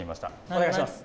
お願いします。